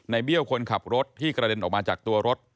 เบี้ยวคนขับรถที่กระเด็นออกมาจากตัวรถ